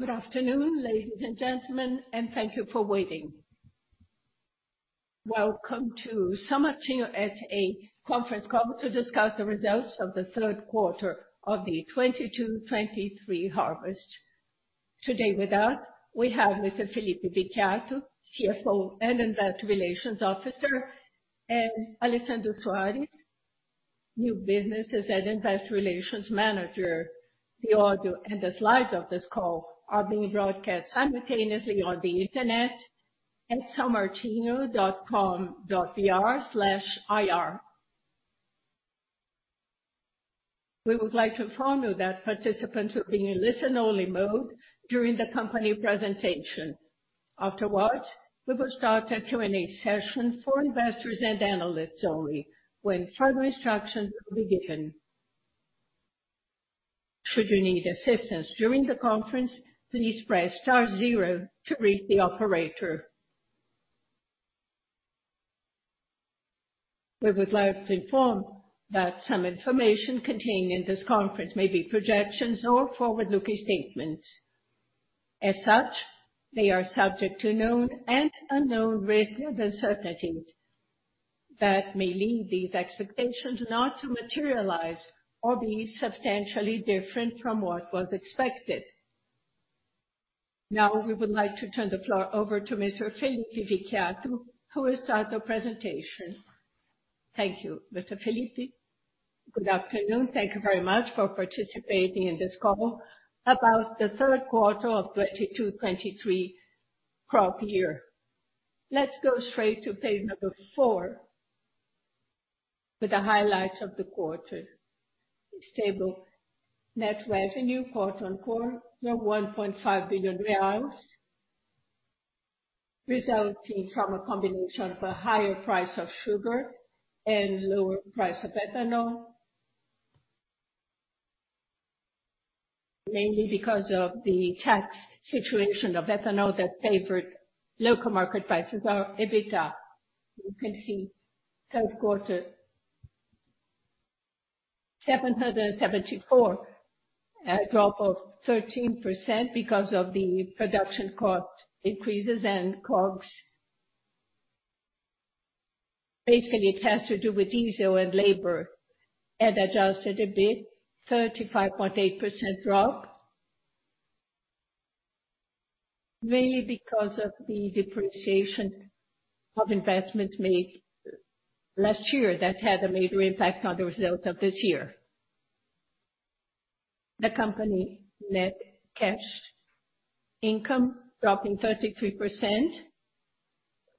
Good afternoon, ladies and gentlemen, thank you for waiting. Welcome to São Martinho S.A. conference call to discuss the results of the 3rd quarter of the 2022/2023 harvest. Today with us, we have Mr. Felipe Vicchiato, CFO and Investor Relations Officer, and Alessandro Soares, New Businesses and Investor Relations Manager. The audio and the slides of this call are being broadcast simultaneously on the Internet at saomartinho.com.br/ir. We would like to inform you that participants will be in listen-only mode during the company presentation. Afterwards, we will start a Q&A session for investors and analysts only when further instructions will be given. Should you need assistance during the conference, please press star zero to reach the operator. We would like to inform that some information contained in this conference may be projections or forward-looking statements. As such, they are subject to known and unknown risks and uncertainties that may lead these expectations not to materialize or be substantially different from what was expected. Now, we would like to turn the floor over to Mr. Felipe Vicchiato, who will start the presentation. Thank you. Mr. Felipe. Good afternoon. Thank you very much for participating in this call about the third quarter of 2022/2023 crop year. Let's go straight to page number 4 for the highlights of the quarter. Stable net revenue quarter-on-quarter, BRL 1.5 billion, resulting from a combination of a higher price of sugar and lower price of ethanol. Mainly because of the tax situation of ethanol that favored local market prices. Our EBITDA, you can see third quarter, 774 million, a drop of 13% because of the production cost increases and COGS. Basically, it has to do with diesel and labor. Adjusted EBIT, 35.8% drop. Mainly because of the depreciation of investments made last year that had a major impact on the results of this year. The company net cash income dropping 33%,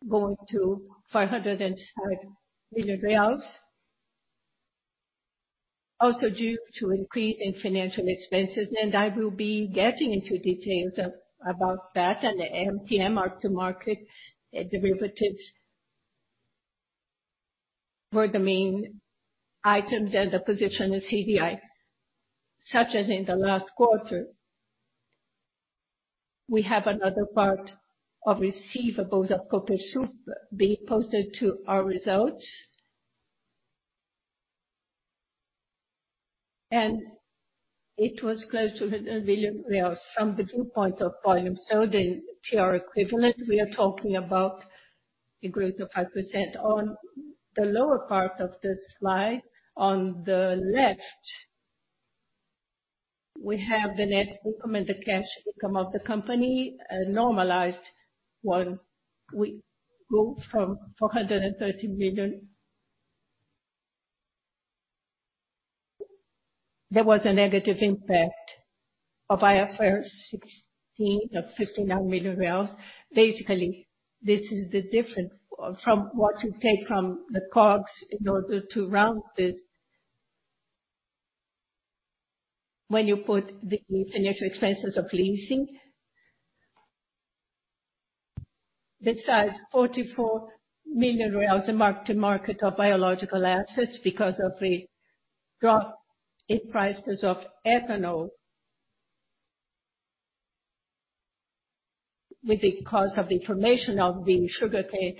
going to BRL 505 million. Also due to increase in financial expenses, I will be getting into details about that and the MTM, mark-to-market derivatives were the main items, and the position is CDI, such as in the last quarter. We have another part of receivables of Copersucar being posted to our results. It was close to BRL 100 million from the viewpoint of volume. The TR equivalent, we are talking about a growth of 5%. On the lower part of the slide, on the left, we have the net recommended cash income of the company, a normalized one. We go from BRL 430 million. There was a negative impact of IFRS 16 of 59 million reais. Basically, this is the different from what you take from the COGS in order to round it when you put the financial expenses of leasing. Besides 44 million, the mark-to-market of biological assets because of the drop in prices of ethanol with the cost of the formation of the sugarcane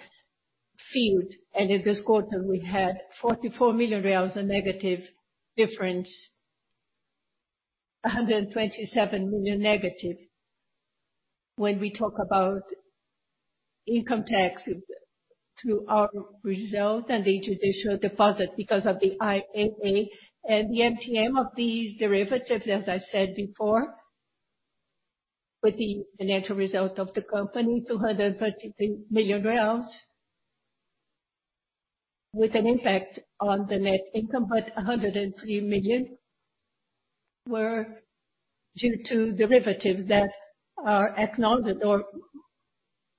field. In this quarter, we had 44 million reais a negative difference, 127 million negative when we talk about income tax to our result and the judicial deposit because of the IAA. The MTM of these derivatives, as I said before, with the financial result of the company, 233 million, with an impact on the net income. A 103 million were due to derivatives that are acknowledged or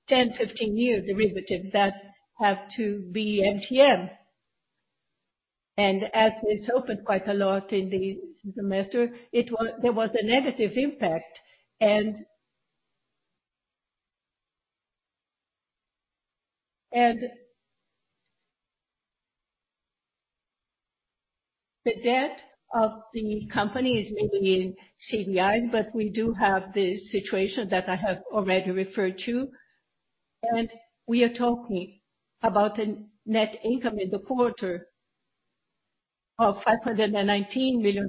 10, 15-year derivatives that have to be MTM. As it's opened quite a lot in the semester, there was a negative impact. The debt of the company is mainly in CDIs, but we do have the situation that I have already referred to. We are talking about a net income in the quarter of BRL 519 million.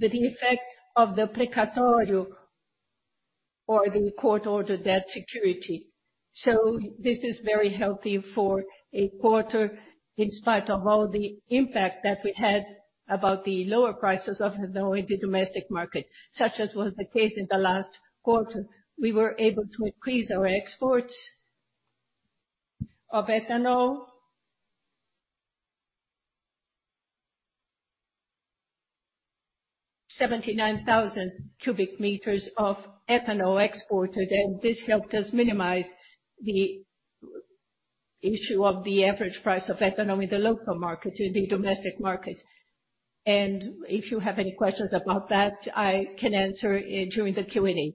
With the effect of the precatório or the court-ordered debt security. This is very healthy for a quarter, in spite of all the impact that we had about the lower prices of ethanol in the domestic market, such as was the case in the last quarter. We were able to increase our exports of ethanol. 79,000 cubic meters of ethanol exported, and this helped us minimize the issue of the average price of ethanol in the local market, in the domestic market. If you have any questions about that, I can answer during the Q&A.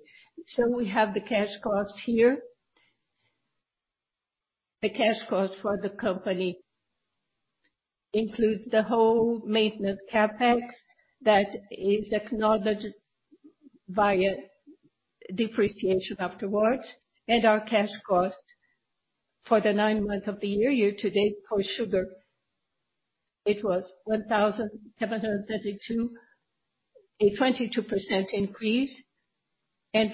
We have the cash costs here. The cash costs for the company includes the whole maintenance CapEx that is acknowledged via depreciation afterwards, and our cash cost for the nine months of the year-to-date for sugar, it was 1,732, a 22% increase.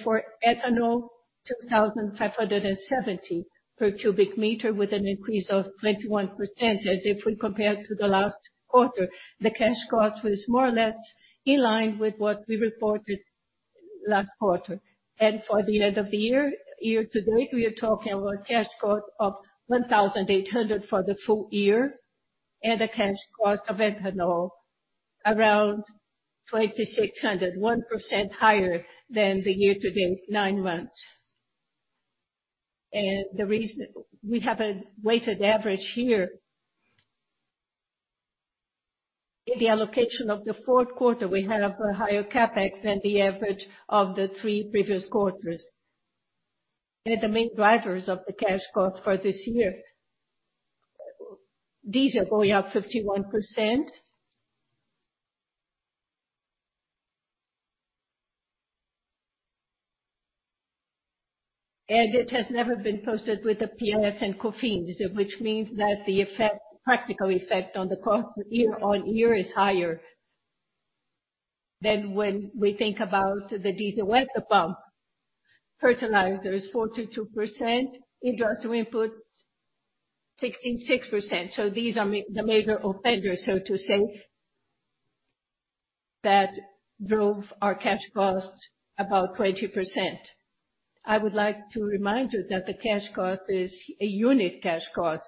For ethanol, 2,570 per cubic meter with an increase of 21%. If we compare to the last quarter, the cash cost was more or less in line with what we reported last quarter. For the end of the year-to-date, we are talking about cash cost of 1,800 for the full year and a cash cost of ethanol around 2,600, 1% higher than the year-to-date 9 months. We have a weighted average here. In the allocation of the 4th quarter, we had a higher CapEx than the average of the 3 previous quarters. The main drivers of the cash cost for this year, diesel going up 51%. It has never been posted with the PIS/COFINS, which means that the effect, practical effect on the cost year-on-year is higher than when we think about the diesel at the pump. Fertilizers, 42%. Industrial inputs, 16%. These are the major offenders, so to say, that drove our cash cost about 20%. I would like to remind you that the cash cost is a unit cash cost.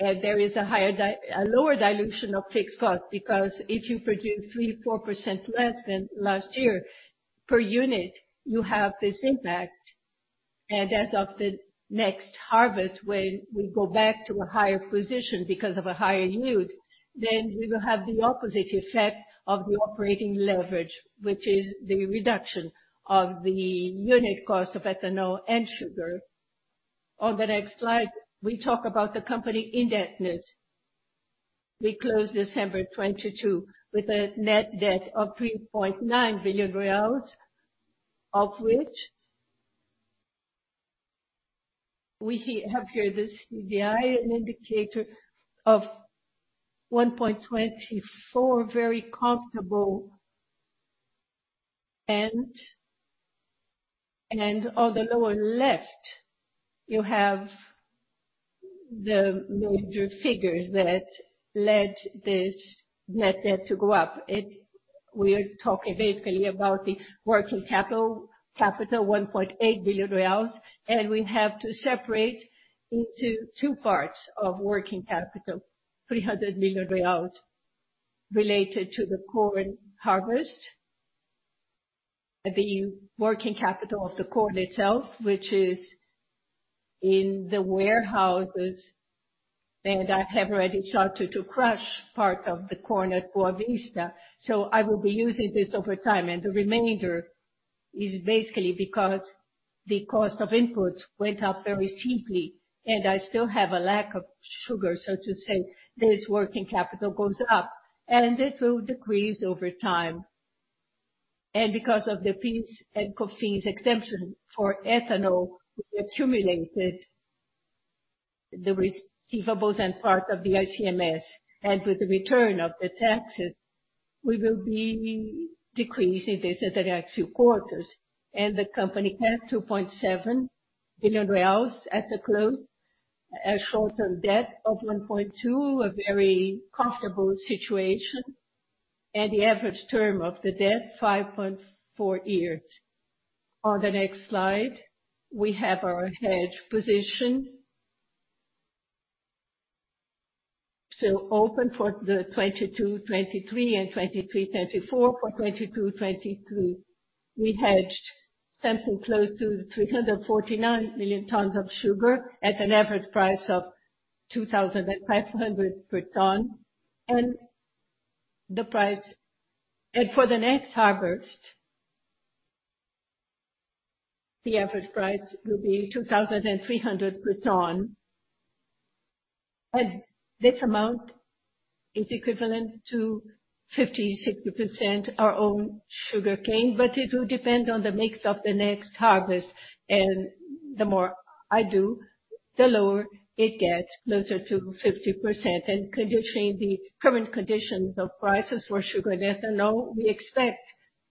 There is a lower dilution of fixed cost because if you produce 3%, 4% less than last year, per unit, you have this impact. As of the next harvest, when we go back to a higher position because of a higher yield, then we will have the opposite effect of the operating leverage, which is the reduction of the unit cost of ethanol and sugar. On the next slide, we talk about the company indebtedness. We closed December 2022 with a net debt of BRL 3.9 billion, of which we have here this DVI, an indicator of 1.24, very comfortable. On the lower left, you have the major figures that led this net debt to go up. We are talking basically about the working capital, 1.8 billion reais. We have to separate into two parts of working capital, 300 million reais related to the corn harvest. The working capital of the corn itself, which is in the warehouses, I have already started to crush part of the corn at Boa Vista, I will be using this over time. The remainder is basically because the cost of inputs went up very cheaply, and I still have a lack of sugar, so to say, this working capital goes up, and it will decrease over time. Because of the PIS/COFINS exemption for ethanol, we accumulated the receivables and part of the ICMS. With the return of the taxes, we will be decreasing this in the next few quarters. The company had 2.7 billion reais at the close, a short-term debt of 1.2 billion, a very comfortable situation, and the average term of the debt, 5.4 years. On the next slide, we have our hedge position. Open for the 2022, 2023 and 2023, 2024. For 2022, we hedged something close to 349 million tons of sugar at an average price of 2,500 per ton. For the next harvest, the average price will be 2,300 per ton. This amount is equivalent to 50%, 60% our own sugarcane, but it will depend on the mix of the next harvest. The more I do, the lower it gets, closer to 50%. Conditioning the current conditions of prices for sugar and ethanol, we expect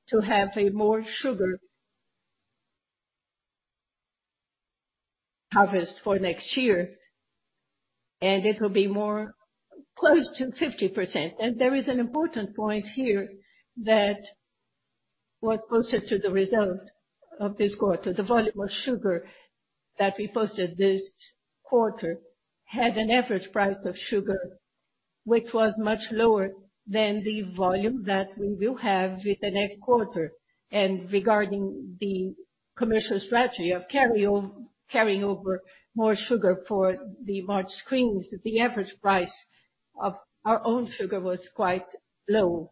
to have a more sugar harvest for next year, and it will be more close to 50%. There is an important point here that what posted to the result of this quarter, the volume of sugar that we posted this quarter, had an average price of sugar which was much lower than the volume that we will have with the next quarter. Regarding the commercial strategy of carrying over more sugar for the March screens, the average price of our own sugar was quite low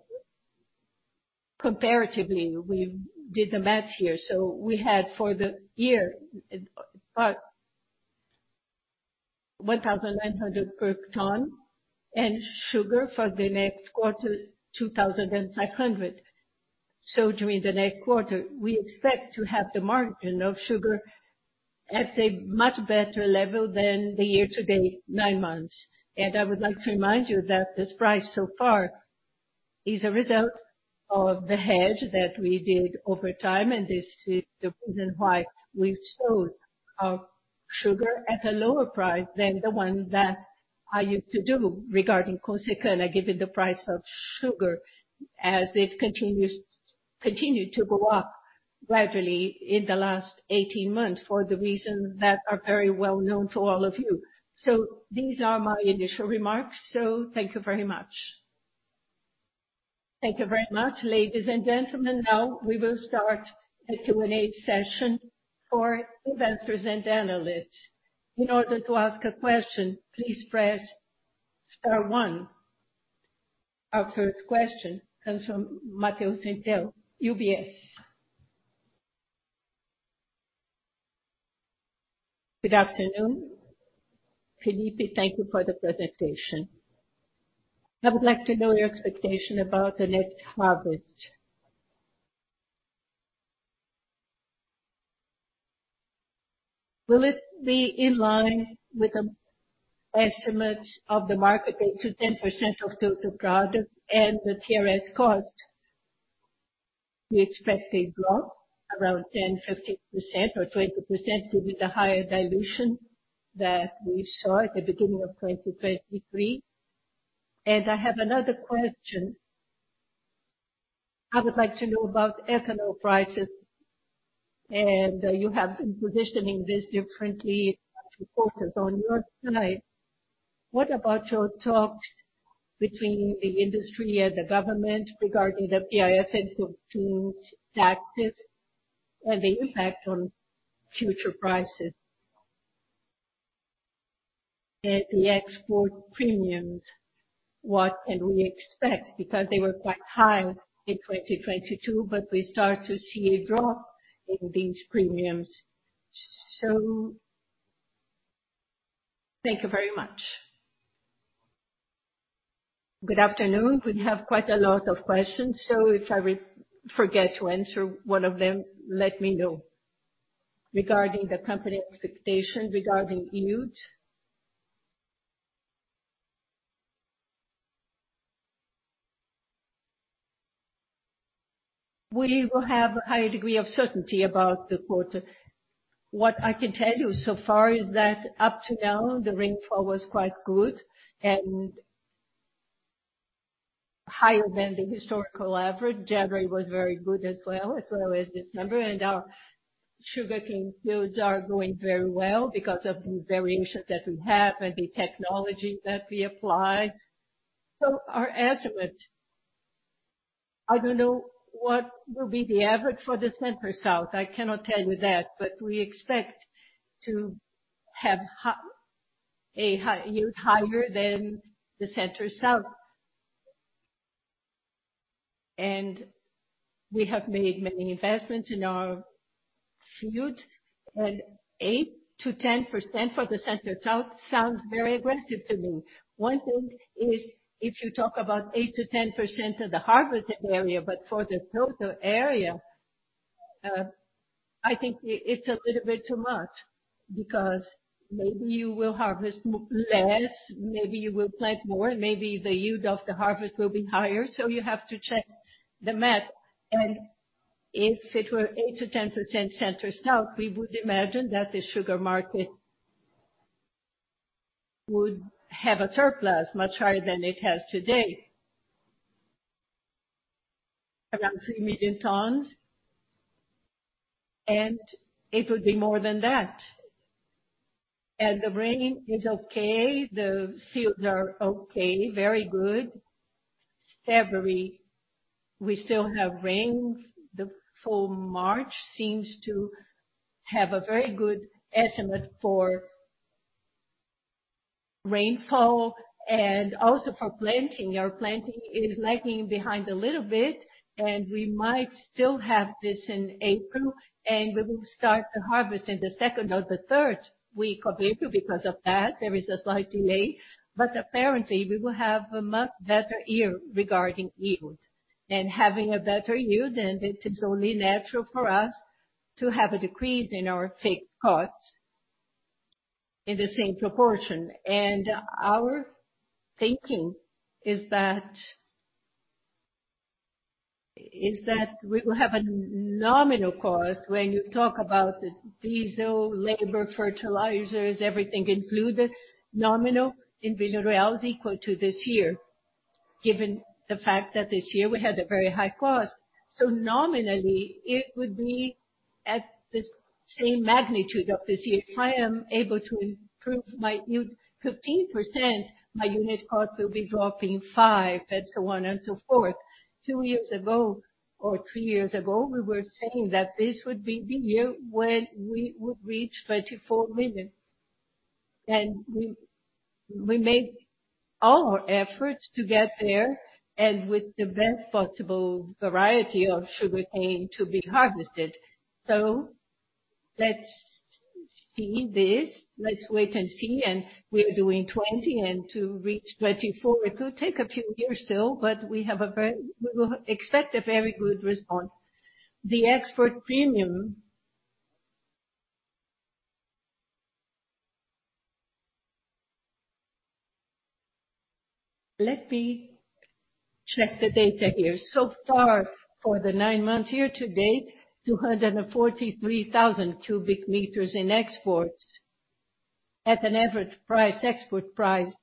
comparatively. We did the math here. We had, for the year, about 1,900 per ton, and sugar for the next quarter, 2,500. During the next quarter, we expect to have the margin of sugar at a much better level than the year-to-date 9 months. I would like to remind you that this price so far is a result of the hedge that we did over time, and this is the reason why we've sold our sugar at a lower price than the one that I used to do regarding Consecana, given the price of sugar as it continues, continued to go up gradually in the last 18 months for the reason that are very well known to all of you. These are my initial remarks, thank you very much. Thank you very much, ladies and gentlemen. We will start the Q&A session for investors and analysts. To ask a question, please press star one. Our first question comes from Matthew Bechtel, UBS. Good afternoon. Felipe, thank you for the presentation. I would like to know your expectation about the next harvest. Will it be in line with the estimates of the market, 8% to 10% of total product and the TRS cost? We expect a drop around 10%, 15% or 20% with the higher dilution that we saw at the beginning of 2023. I have another question. I would like to know about ethanol prices, and you have been positioning this differently to focus on your side. What about your talks between the industry and the government regarding the PIS/COFINS taxes and the impact on future prices? The export premiums, what can we expect? They were quite high in 2022, but we start to see a drop in these premiums. Thank you very much. Good afternoon. We have quite a lot of questions, so if I forget to answer one of them, let me know. Regarding the company expectation, yield...We will have a higher degree of certainty about the quarter. What I can tell you so far is that up to now, the rainfall was quite good and higher than the historical average. January was very good as well, as well as this number, and our sugarcane fields are going very well because of the variations that we have and the technology that we apply. Our estimate, I don't know what will be the average for the Center-South. I cannot tell you that, but we expect to have a high yield, higher than the Center-South. We have made many investments in our fields. Eight to 10% for the Center-South sounds very aggressive to me. One thing is if you talk about 8% to 10% of the harvested area, but for the total area, I think it's a little bit too much, because maybe you will harvest less, maybe you will plant more, maybe the yield of the harvest will be higher, so you have to check the math. If it were 8% to 10% Center-South, we would imagine that the sugar market would have a surplus much higher than it has today. Around 3 million tons. It would be more than that. The rain is okay. The fields are okay, very good. February, we still have rain. For March seems to have a very good estimate for rainfall and also for planting. Our planting is lagging behind a little bit, and we might still have this in April, and we will start the harvest in the 2nd or 3rd week of April because of that. There is a slight delay. Apparently we will have a much better year regarding yield. Having a better yield, and it is only natural for us to have a decrease in our fixed costs in the same proportion. Our thinking is that we will have a nominal cost when you talk about the diesel, labor, fertilizers, everything included, nominal in Villa equal to this year, given the fact that this year we had a very high cost. Nominally, it would be at the same magnitude of this year. If I am able to improve my yield 15%, my unit cost will be dropping 5, and so on and so forth. Two years ago, or three years ago, we were saying that this would be the year when we would reach 24 million. We made all efforts to get there, and with the best possible variety of sugarcane to be harvested. Let's see this. Let's wait and see, and we're doing 20. To reach 24, it could take a few years still, but we will expect a very good response. The export premium. Let me check the data here. Far, for the nine months year-to-date, 243,000 cubic meters in exports at an average price, export price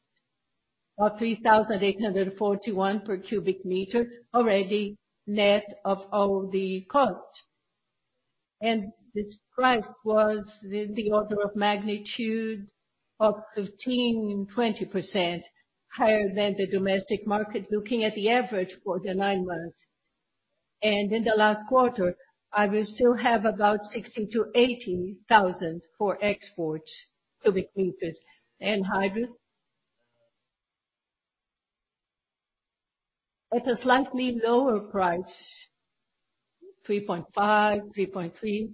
of 3,841 per cubic meter, already net of all the costs. This price was in the order of magnitude of 15% to 20% higher than the domestic market, looking at the average for the nine months. In the last quarter, I will still have about 60,000 to 80,000 for exports cubic meters. Anhydrous. At a slightly lower price, 3.5, 3.3,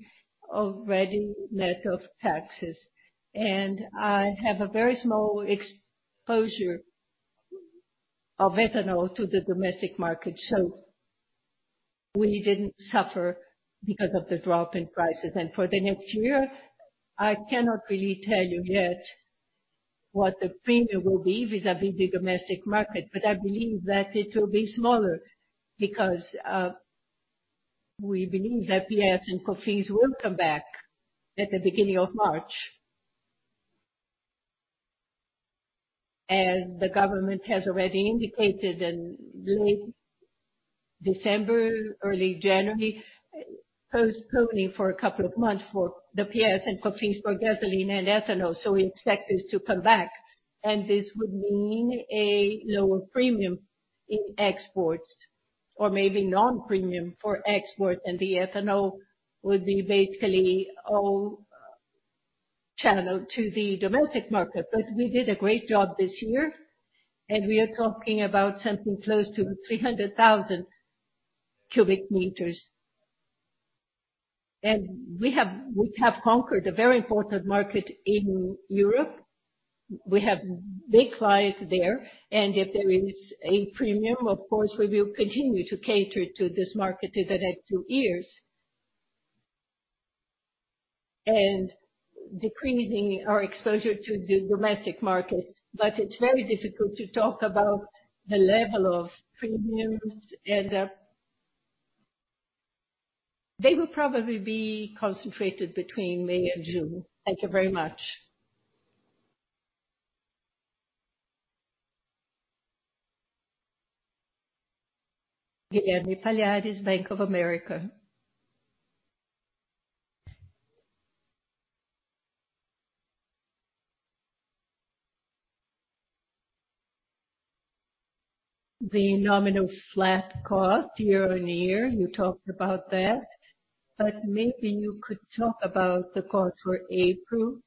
already net of taxes. I have a very small exposure of ethanol to the domestic market. We didn't suffer because of the drop in prices. For the next year, I cannot really tell you yet what the premium will be vis-à-vis the domestic market, but I believe that it will be smaller because we believe that PIS and COFINS will come back at the beginning of March. As the government has already indicated in late December, early January, postponing for a couple of months for the PIS and COFINS for gasoline and ethanol. We expect this to come back, and this would mean a lower premium in exports or maybe non-premium for exports. The ethanol would be basically all channeled to the domestic market. We did a great job this year, and we are talking about something close to 300,000 cubic meters. We have conquered a very important market in Europe. We have big clients there, and if there is a premium, of course, we will continue to cater to this market two years. Decreasing our exposure to the domestic market. It's very difficult to talk about the level of premiums and. They will probably be concentrated between May and June. Thank you very much. Guilherme Palhares, Bank of America. The nominal flat cost year-on-year, you talked about that, but maybe you could talk about the cost for April.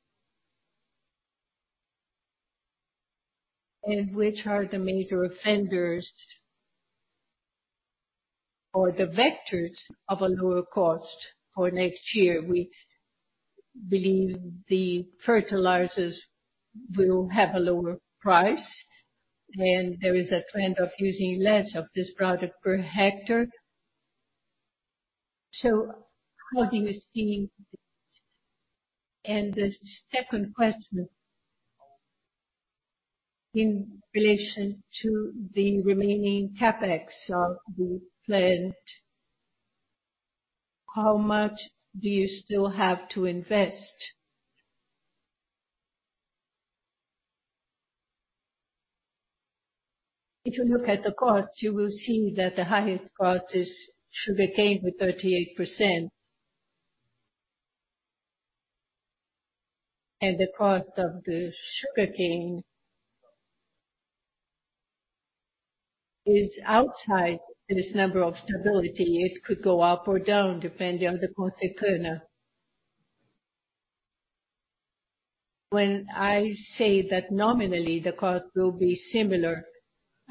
Which are the major offenders or the vectors of a lower cost for next year? We believe the fertilizers will have a lower price, and there is a trend of using less of this product per hectare. How do you see this? The second question, in relation to the remaining CapEx of the plant, how much do you still have to invest? If you look at the costs, you will see that the highest cost is sugarcane with 38%. The cost of the sugarcane is outside this number of stability. It could go up or down depending on the Consecana. When I say that nominally the cost will be similar,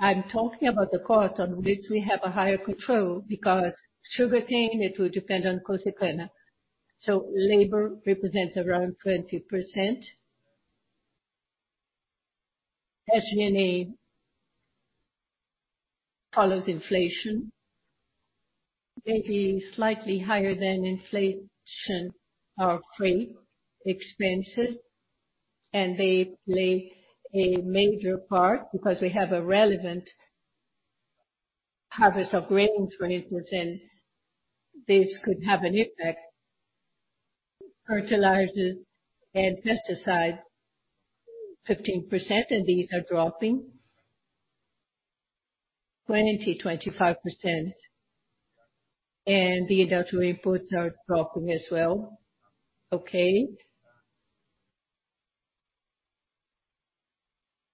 I'm talking about the cost on which we have a higher control because sugarcane, it will depend on Consecana. Labor represents around 20%. SG&A follows inflation. Maybe slightly higher than inflation are freight expenses, and they play a major part because we have a relevant harvest of grains, for instance, and this could have an impact. Fertilizers and pesticides, 15%, and these are dropping 20% to 25%. The industrial inputs are dropping as well. Okay.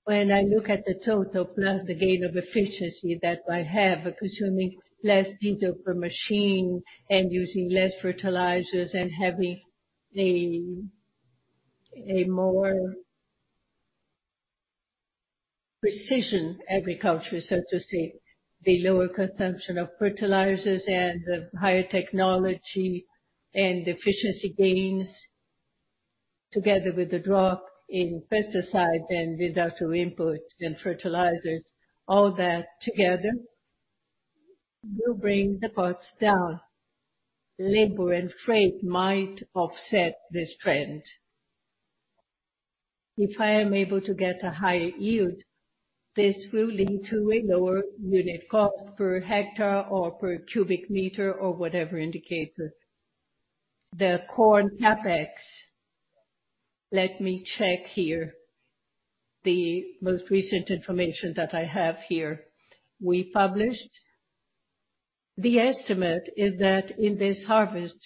I look at the total plus the gain of efficiency that I have of consuming less diesel per machine and using less fertilizers and having a more precision agriculture, so to say, the lower consumption of fertilizers and the higher technology and efficiency gains, together with the drop in pesticides and industrial inputs and fertilizers, all that together will bring the costs down. Labor and freight might offset this trend. If I am able to get a higher yield, this will lead to a lower unit cost per hectare or per cubic meter or whatever indicator. The corn CapEx. Let me check here. The most recent information that I have here we published. The estimate is that in this harvest,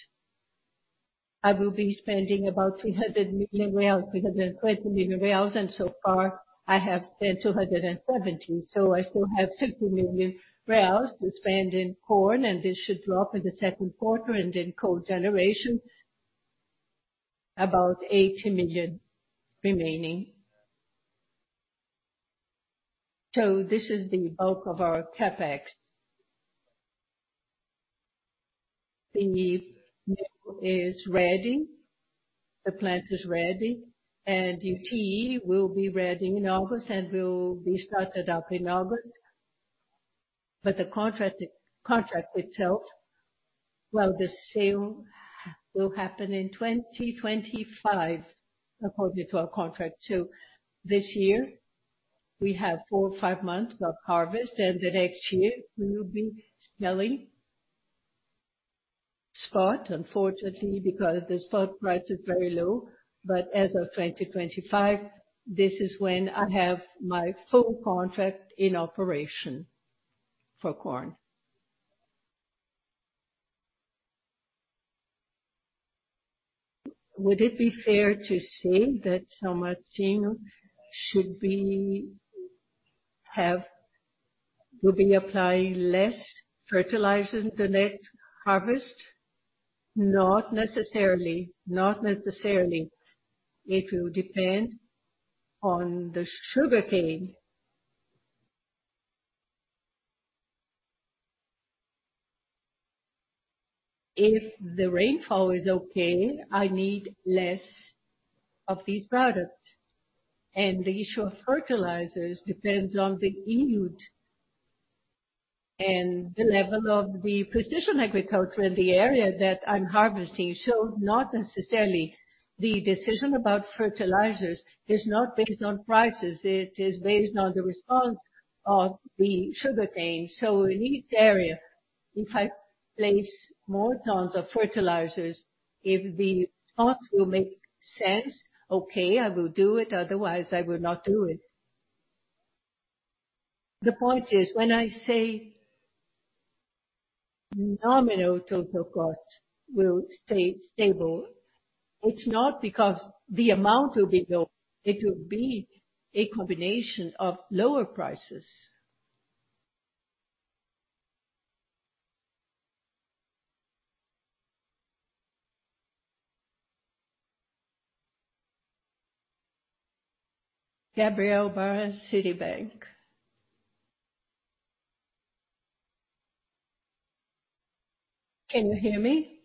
I will be spending about 300 million reais, 320 million reais, and so far I have spent 270 million. I still have 50 million reais to spend in corn, and this should drop in the second quarter, and in cogeneration, about BRL 80 million remaining. This is the bulk of our CapEx. The mill is ready, the plant is ready, and UTE will be ready in August and will be started up in August. The contract itself, well, the sale will happen in 2025, according to our contract. This year we have 4 or 5 months of harvest, and the next year we will be selling spot, unfortunately, because the spot price is very low. As of 2025, this is when I have my full contract in operation for corn. Would it be fair to say that São Martinho will be applying less fertilizers in the next harvest? Not necessarily. Not necessarily. It will depend on the sugarcane. If the rainfall is okay, I need less of these products. The issue of fertilizers depends on the yield and the level of the precision agriculture in the area that I'm harvesting. Not necessarily. The decision about fertilizers is not based on prices, it is based on the response of the sugarcane. In each area, if I place more tons of fertilizers, if the response will make sense, okay, I will do it. Otherwise, I will not do it. The point is, when I say nominal total costs will stay stable, it's not because the amount will be low. It will be a combination of lower prices. Gabriel Barra, Citi. Can you hear me?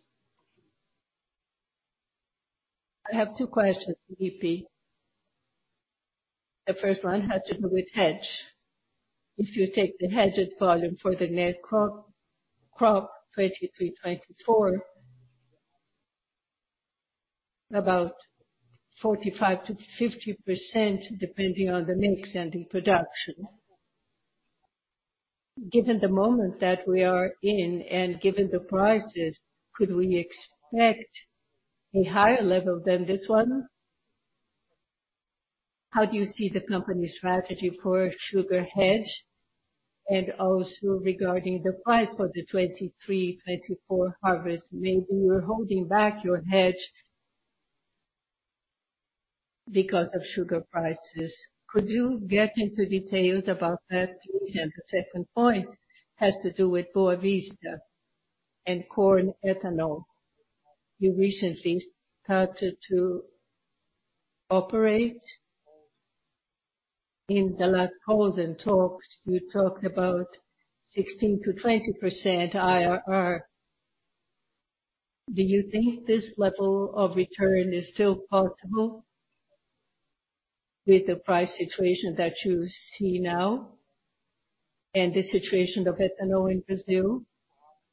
I have two questions, Felipe. The first one has to do with hedge. If you take the hedged volume for the net crop 2023, 2024, about 45%-50%, depending on the mix and the production. Given the moment that we are in and given the prices, could we expect a higher level than this one? How do you see the company strategy for sugar hedge? Also regarding the price for the 2023, 2024 harvest, maybe you are holding back your hedge because of sugar prices. Could you get into details about that, please? The second point has to do with Boa Vista and corn ethanol. You recently started to operate. In the last calls and talks, you talked about 16% to 20% IRR. Do you think this level of return is still possible with the price situation that you see now and the situation of ethanol in Brazil?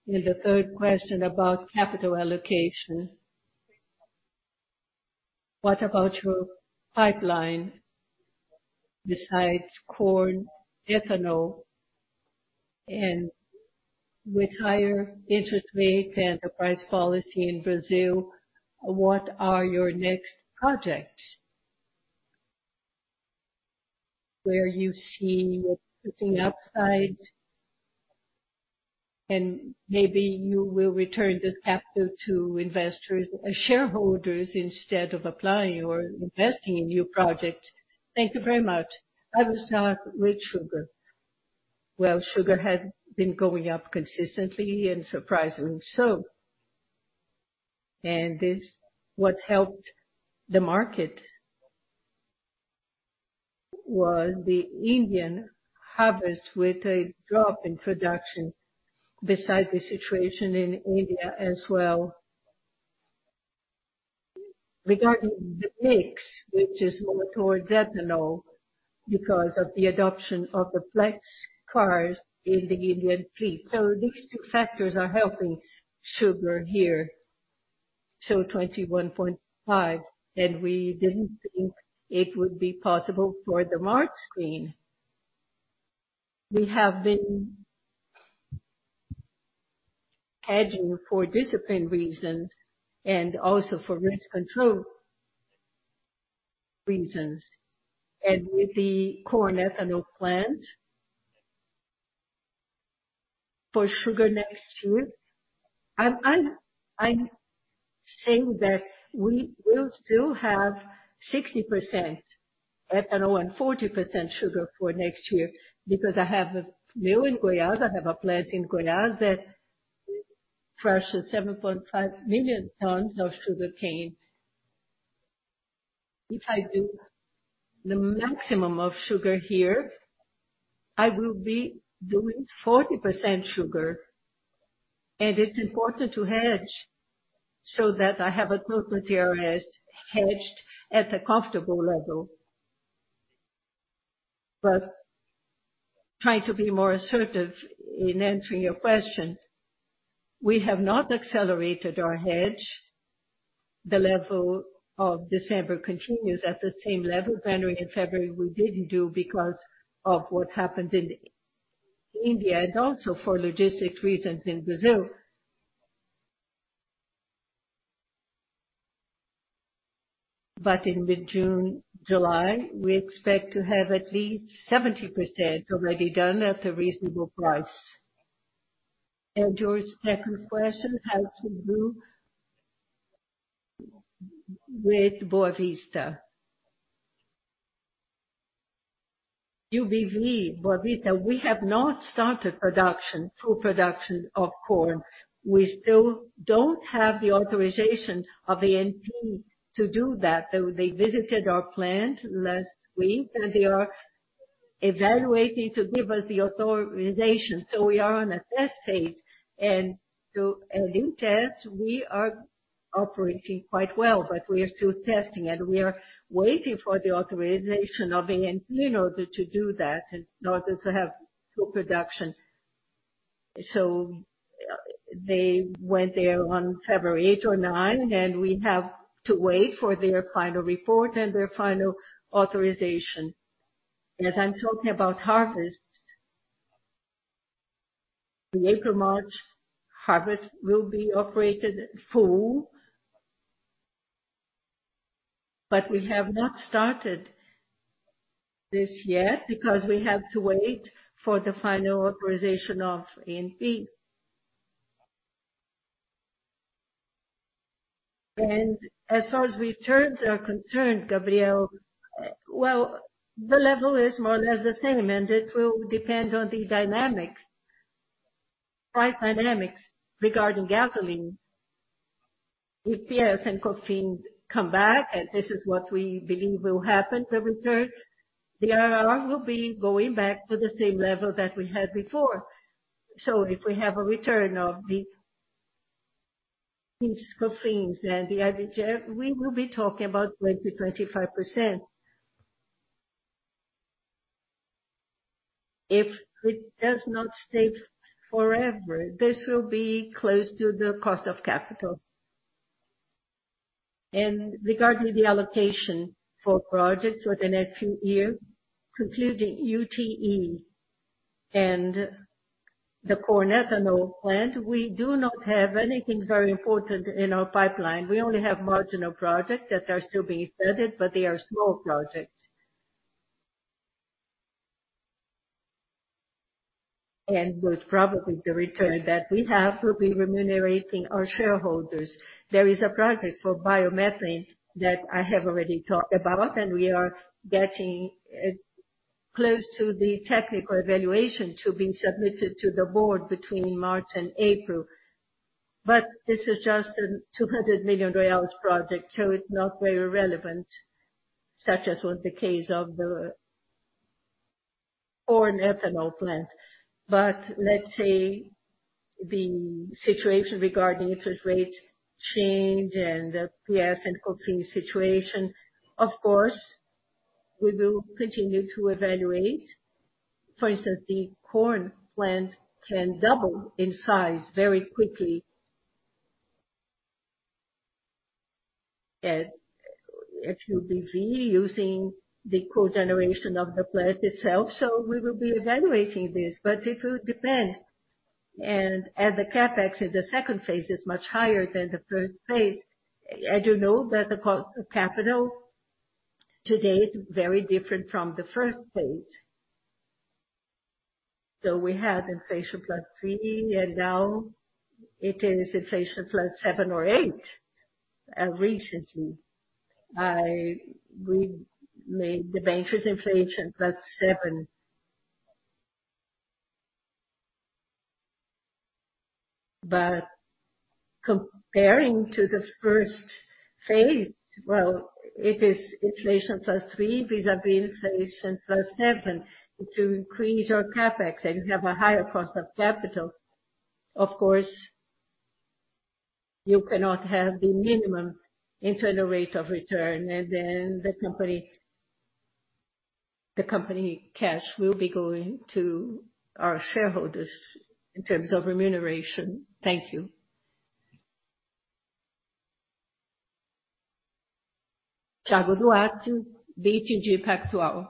The third question about capital allocation. What about your pipeline besides corn ethanol? With higher interest rates and the price policy in Brazil, what are your next projects? Where you see you're sitting outside, and maybe you will return this capital to shareholders instead of applying or investing in new projects. Thank you very much. I will start with sugar. Well, sugar has been going up consistently and surprisingly so. This-- what helped the market was the Indian harvest, with a drop in production beside the situation in India as well. Regarding the mix, which is more towards ethanol because of the adoption of the flex cars in the Indian fleet. These 2 factors are helping sugar here to $0.215, and we didn't think it would be possible for the March screen. We have been hedging for discipline reasons and also for risk control reasons. With the corn ethanol plant for sugar next year, I'm saying that we will still have 60% ethanol and 40% sugar for next year because I have a mill in Goiás, I have a plant in Goiás that crushes 7.5 million tons of sugarcane. If I do the maximum of sugar here, I will be doing 40% sugar. It's important to hedge so that I have a good material that's hedged at a comfortable level. Trying to be more assertive in answering your question, we have not accelerated our hedge. The level of December continues at the same level. January and February, we didn't do because of what happened in India and also for logistics reasons in Brazil. In mid-June, July, we expect to have at least 70% already done at a reasonable price. Your second question has to do with Boa Vista. UBV Boa Vista, we have not started production, full production of corn. We still don't have the authorization of ANP to do that. They visited our plant last week, and they are evaluating to give us the authorization. We are on a test phase. In test, we are operating quite well, but we are still testing, and we are waiting for the authorization of ANP in order to do that, in order to have full production. They went there on February 8 or 9, and we have to wait for their final report and their final authorization. As I'm talking about harvest, the April-March harvest will be operated full. We have not started this yet because we have to wait for the final authorization of ANP. As far as returns are concerned, Gabriel, well, the level is more or less the same, and it will depend on the dynamics, price dynamics regarding gasoline. If PIS and COFINS come back, and this is what we believe will happen, the return, the IRR will be going back to the same level that we had before. If we have a return of the PIS/COFINS and the PGT, we will be talking about 20%-25%. If it does not stay forever, this will be close to the cost of capital. Regarding the allocation for projects for the next few years, concluding UTE and the corn ethanol plant, we do not have anything very important in our pipeline. We only have marginal projects that are still being studied, but they are small projects. With probably the return that we have will be remunerating our shareholders. There is a project for biomethane that I have already talked about, and we are getting close to the technical evaluation to be submitted to the board between March and April. This is just a 200 million project, so it's not very relevant, such as was the case of or an ethanol plant. Let's say the situation regarding interest rates change and the PIS and COFINS situation, of course, we will continue to evaluate. For instance, the corn plant can double in size very quickly at UTE using the cogeneration of the plant itself. We will be evaluating this, but it will depend. As the CapEx in the second phase is much higher than the first phase, as you know that the co- capital today is very different from the first phase. We had inflation plus 3, and now it is inflation plus 7 or 8. Recently, we made the bank's inflation plus 7. Comparing to the first phase, well, it is inflation plus 3 vis-à-vis inflation plus 7. To increase your CapEx and have a higher cost of capital, of course, you cannot have the minimum internal rate of return. The company cash will be going to our shareholders in terms of remuneration. Thank you. Thiago Duarte, BTG Pactual.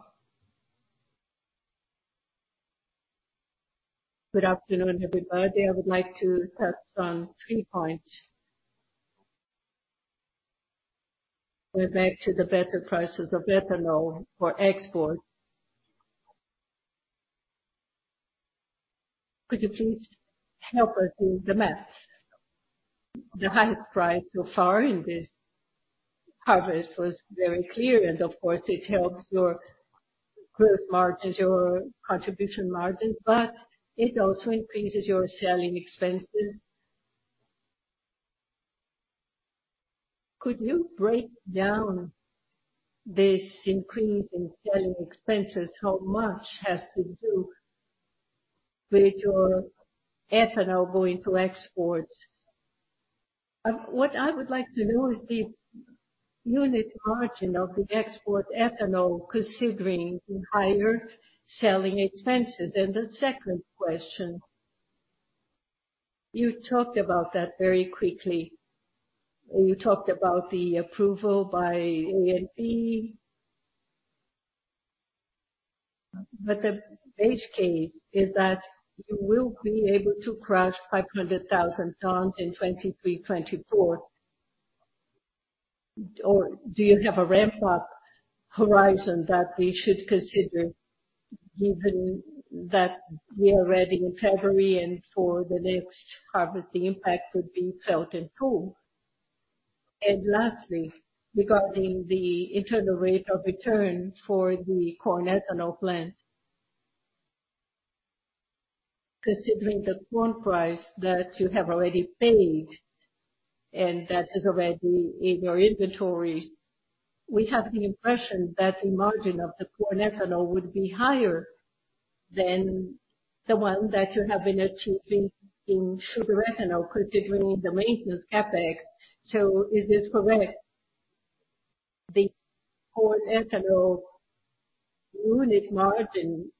Good afternoon, everybody. I would like to touch on three points. Going back to the better prices of ethanol for export. Could you please help us do the math? The highest price so far in this harvest was very clear. Of course it helps your growth margins, your contribution margins, but it also increases your selling expenses. Could you break down this increase in selling expenses, how much has to do with your ethanol going to exports? What I would like to know is the unit margin of the export ethanol considering the higher selling expenses. The second question, you talked about that very quickly. You talked about the approval by ANP. But the base case is that you will be able to crush 500,000 tons in 2023/2024. Or do you have a ramp up horizon that we should consider given that we are already in February and for the next harvest, the impact would be felt in full. Lastly, regarding the internal rate of return for the corn ethanol plant. Considering the corn price that you have already paid and that is already in your inventory, we have the impression that the margin of the corn ethanol would be higher than the one that you have been achieving in sugar ethanol considering the maintenance CapEx. Is this correct? The corn ethanol unit margin,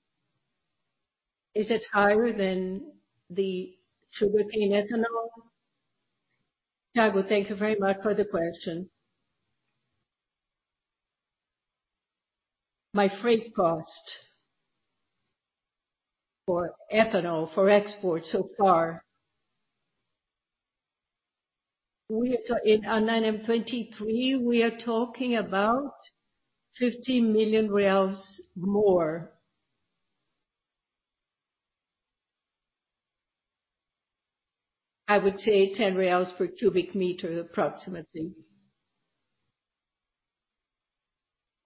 is it higher than the sugarcane ethanol? Thiago, thank you very much for the question. My freight cost for ethanol for export so far, we are on 9 months 2023, we are talking about 50 million reais more. I would say 10 reais per cubic meter approximately.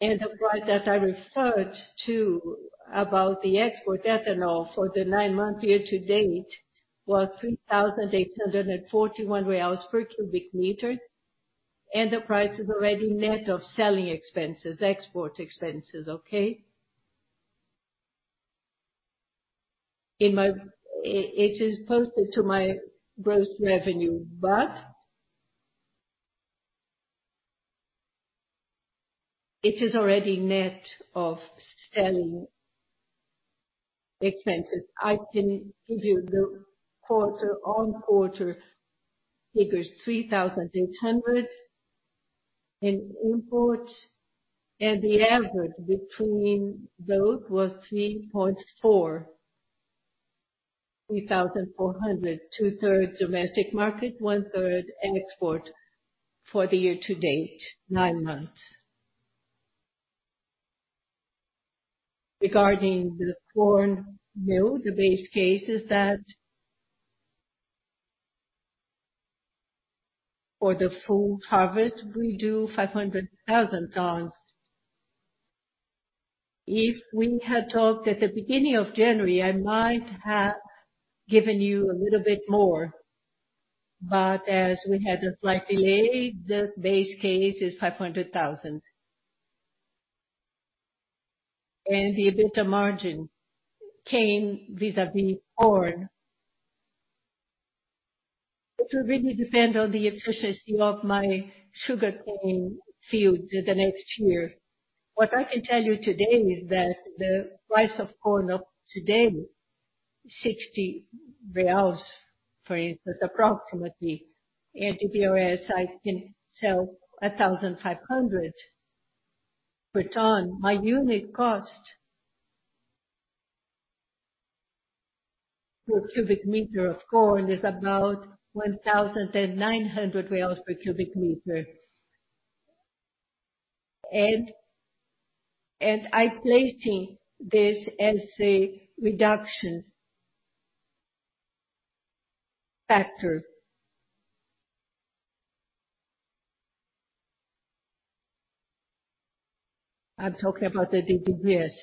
The price that I referred to about the export ethanol for the 9-month year-to-date was 3,841 reais per cubic meter. The price is already net of selling expenses, export expenses. Okay? It is posted to my gross revenue. It is already net of selling expenses. I can give you the quarter-on-quarter figures, BRL 3,800 in imports. The average between those was 3.4. 3,400, 2/3 domestic market, 1/3 export for the year to date, 9 months. Regarding the corn mill, the base case is that for the full harvest, we do 500,000 tons. If we had talked at the beginning of January, I might have given you a little bit more. As we had a slight delay, the base case is 500,000. The EBITDA margin came vis-a-vis corn. It will really depend on the efficiency of my sugarcane fields in the next year. What I can tell you today is that the price of corn up today, 60 reais, for instance, approximately. To be honest, I can sell 1,500 per ton. My unit cost per cubic meter of corn is about 1,900 per cubic meter. I'm placing this as a reduction factor. I'm talking about the DDGS.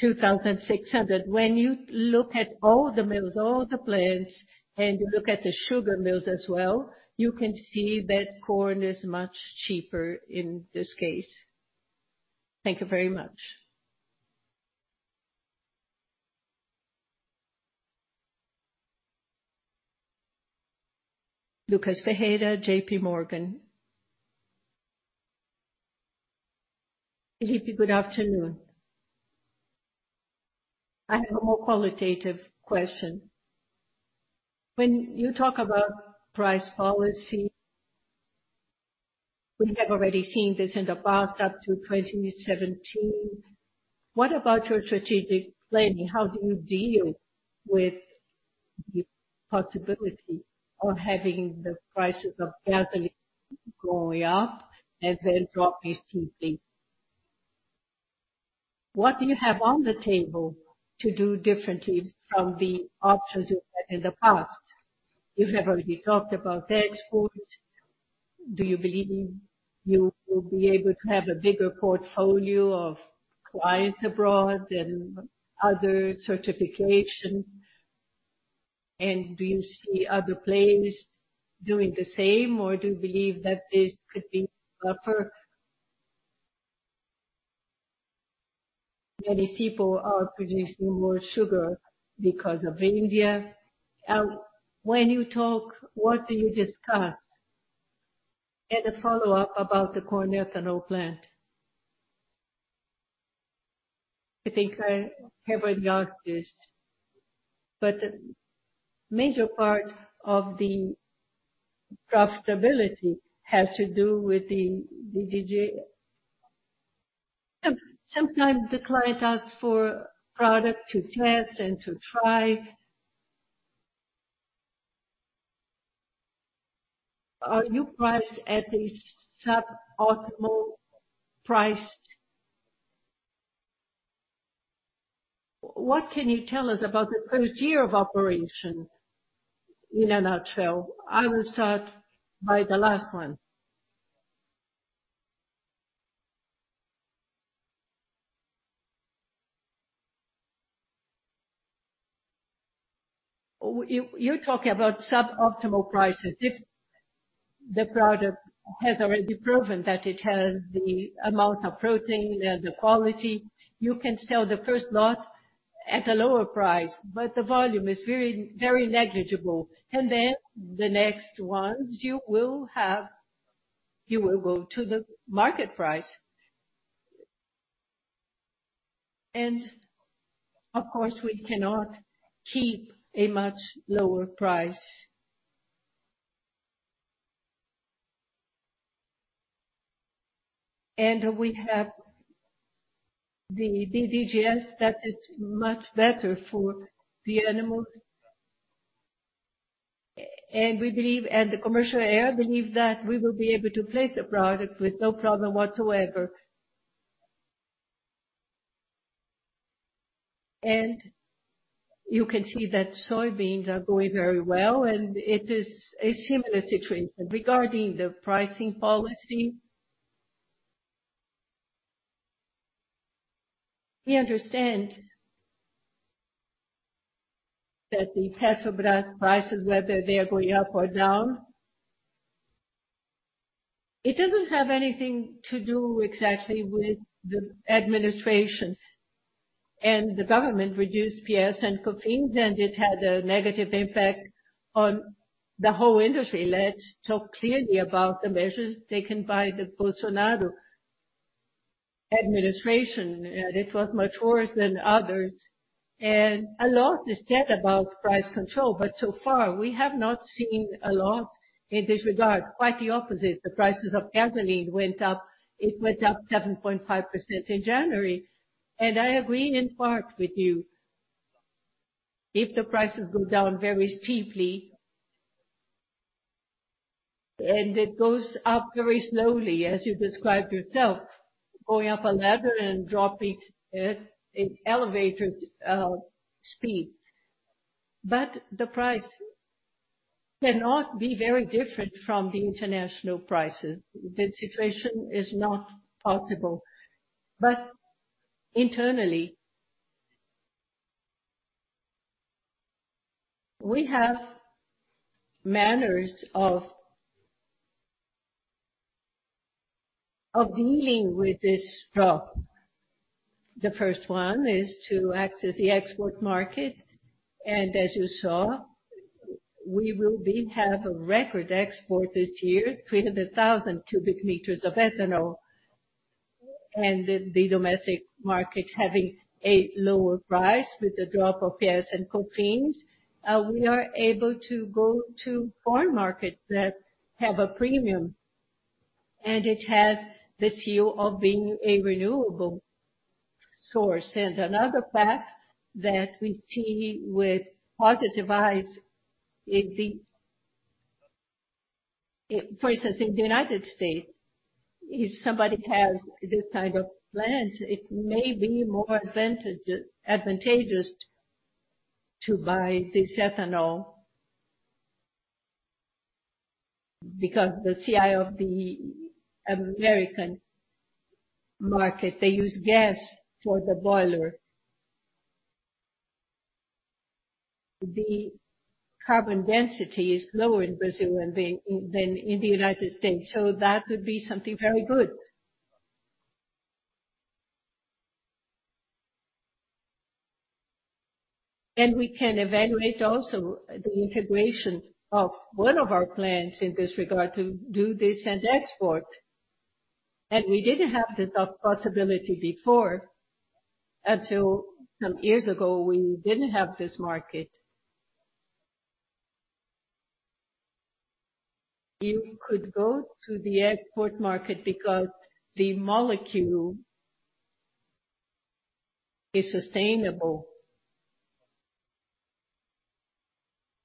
2,600. When you look at all the mills, all the plants, and you look at the sugar mills as well, you can see that corn is much cheaper in this case. Thank you very much. Lucas Ferreira, J.P. Morgan. Felipe, good afternoon. I have a more qualitative question. When you talk about price policy, we have already seen this in the past up to 2017. What about your strategic planning? How do you deal with the possibility of having the prices of gasoline going up and then drop very steeply? What do you have on the table to do differently from the options you had in the past? You have already talked about exports. Do you believe you will be able to have a bigger portfolio of clients abroad and other certifications? Do you see other players doing the same, or do you believe that this could be tougher? Many people are producing more sugar because of India. When you talk, what do you discuss? A follow-up about the corn ethanol plant. I think I have addressed this. A major part of the profitability has to do with the DDGS. Sometimes the client asks for product to test and to try. Are you priced at a suboptimal price? What can you tell us about the first year of operation in a nutshell? I will start by the last one. You're talking about suboptimal prices. If the product has already proven that it has the amount of protein and the quality, you can sell the first lot at a lower price, the volume is very negligible. The next ones you will go to the market price. Of course, we cannot keep a much lower price. We have the DDGS that is much better for the animals. We believe, the commercial air believe that we will be able to place the product with no problem whatsoever. You can see that soybeans are going very well, and it is a similar situation. Regarding the pricing policy, we understand that the Petrobras prices, whether they are going up or down, it doesn't have anything to do exactly with the administration. The government reduced PS. For England, it had a negative impact on the whole industry. Let's talk clearly about the measures taken by the Bolsonaro administration. It was much worse than others. A lot is said about price control, but so far we have not seen a lot in this regard. Quite the opposite. The prices of gasoline went up. It went up 7.5% in January. I agree in part with you. If the prices go down very steeply, and it goes up very slowly, as you described yourself, going up a ladder and dropping at an elevated speed. The price cannot be very different from the international prices. The situation is not possible. Internally, we have manners of dealing with this problem. The first one is to access the export market. As you saw, we will be have a record export this year, 300,000 cubic meters of ethanol. The domestic market having a lower price with the drop of PIS and COFINS, we are able to go to foreign markets that have a premium, and it has the seal of being a renewable source. Another path that we see with positive eyes is the. For instance, in the United States, if somebody has this kind of plant, it may be more advantageous to buy this ethanol. Because the CI of the American market, they use gas for the boiler. The carbon density is lower in Brazil than in the United States, so that would be something very good. We can evaluate also the integration of one of our plants in this regard to do this and export. We didn't have the possibility before. Until some years ago, we didn't have this market. You could go to the export market because the molecule is sustainable.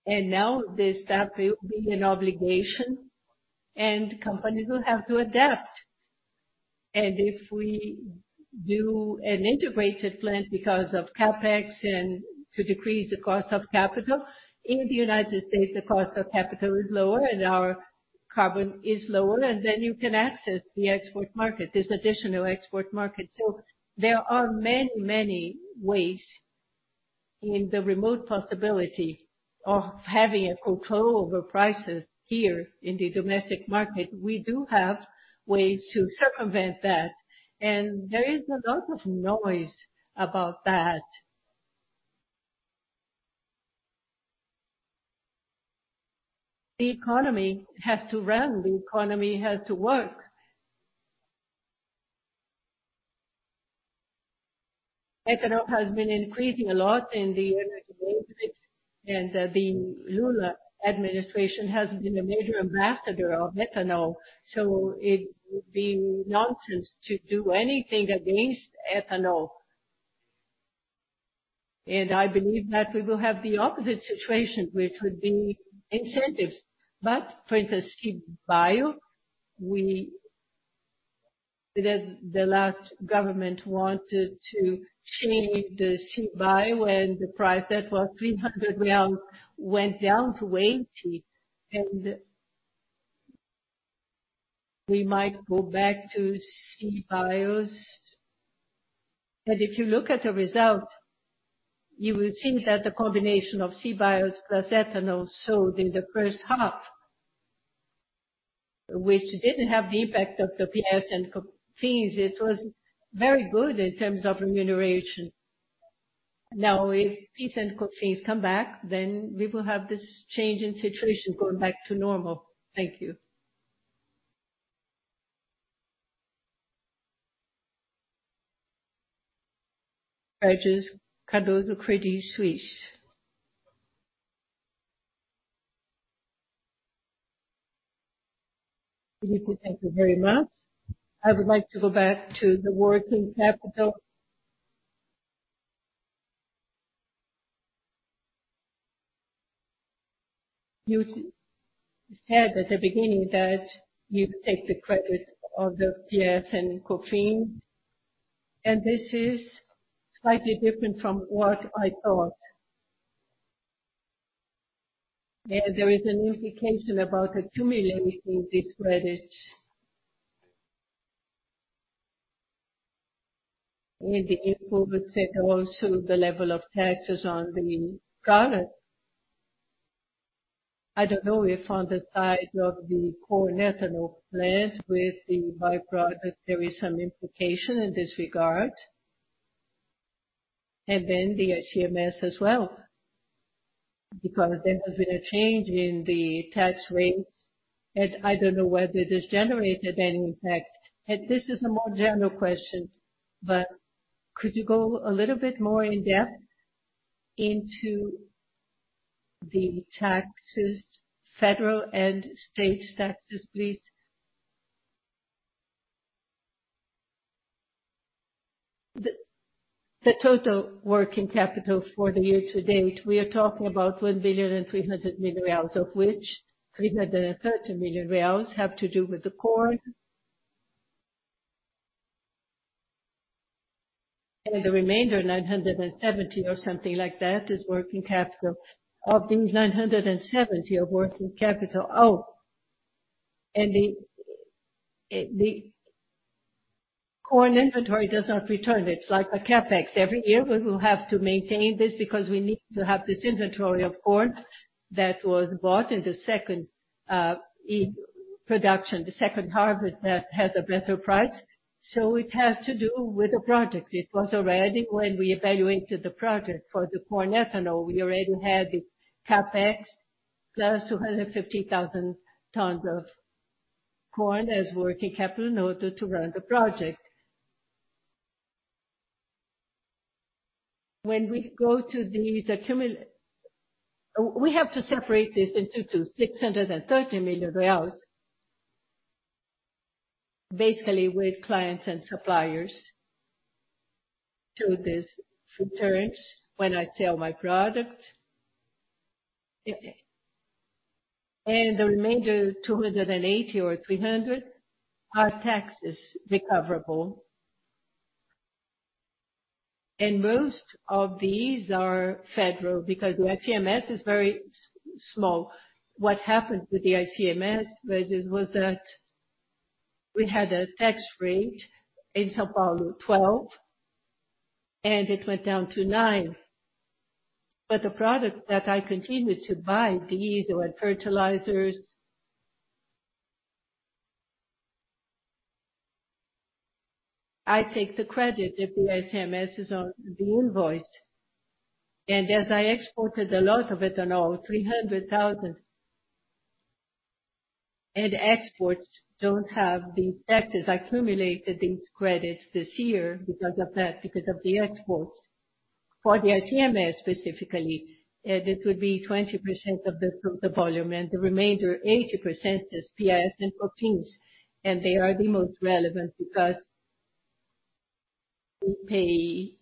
Now the staff will be in obligation, and companies will have to adapt. If we do an integrated plan because of CapEx and to decrease the cost of capital, in the United States, the cost of capital is lower and our carbon is lower, then you can access the export market, this additional export market. There are many, many ways in the remote possibility of having a co-co over prices here in the domestic market. We do have ways to circumvent that. There is a lot of noise about that. The economy has to run, the economy has to work. Ethanol has been increasing a lot in the United States, the Lula administration has been a major ambassador of ethanol, so it would be nonsense to do anything against ethanol. I believe that we will have the opposite situation, which would be incentives. For instance, CBio, we. The last government wanted to change the CBio and the price that was 300 went down to 80. We might go back to CBios. If you look at the result, you will think that the combination of CBios plus ethanol sold in the first half, which didn't have the impact of the PIS and COFINS. It was very good in terms of remuneration. Now, if PIS and COFINS come back, then we will have this change in situation going back to normal. Thank you. Rogers, Carlos do Credit Suisse. Felipe, thank you very much. I would like to go back to the working capital. You said at the beginning that you take the credit of the PIS and COFINS, this is slightly different from what I thought. There is an implication about accumulating these credits. The improvement set also the level of taxes on the product. I don't know if on the side of the core ethanol plant with the by-product, there is some implication in this regard. Then the ICMS as well, because there has been a change in the tax rates, and I don't know whether this generated any impact. This is a more general question, but could you go a little bit more in depth into the taxes, federal and state taxes, please? The total working capital for the year to date, we are talking about 1.3 billion, of which 330 million reais have to do with the corn. The remainder, 970 million or something like that, is working capital. Of these 970 million of working capital. The Corn inventory does not return. It's like a CapEx. Every year, we will have to maintain this because we need to have this inventory of corn that was bought in the second production, the second harvest that has a better price. It has to do with the project. It was already when we evaluated the project for the corn ethanol, we already had the CapEx plus 250,000 tons of corn as working capital in order to run the project. When we go to these. We have to separate this into two, 630 million reais, basically with clients and suppliers to these terms when I sell my product. The remainder, 280 or 300, are taxes recoverable. Most of these are federal because the ICMS is very small. What happened with the ICMS was that we had a tax rate in São Paulo, 12, and it went down to 9. The product that I continue to buy, diesel and fertilizers. I take the credit if the ICMS is on the invoice. As I exported a lot of ethanol, 300,000, and exports don't have these taxes, I accumulated these credits this year because of that, because of the exports. For the ICMS specifically, this would be 20% of the volume, and the remainder, 80%, is PIS and COFINS, and they are the most relevant because we pay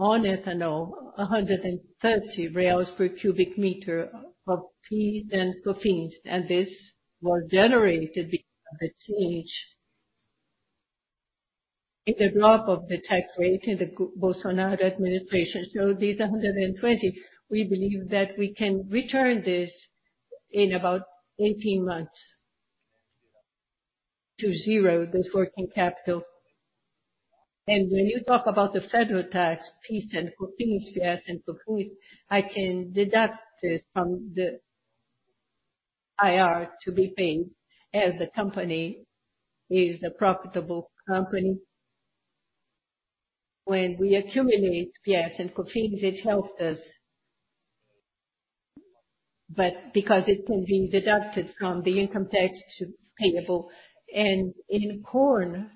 on ethanol 130 per cubic meter of PIS and COFINS. This was generated because of the change in the drop of the tax rate in the Bolsonaro administration. These 120, we believe that we can return this in about 18 months to zero, this working capital. When you talk about the federal tax, PIS and COFINS, I can deduct this from the IR to be paid as the company is a profitable company. When we accumulate PIS and COFINS, it helped us, but because it can be deducted from the income tax to payable. In corn,